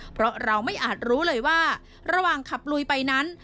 เพราะเราไม่อาจรู้เลยว่าระหว่างขับลุยไปนั้น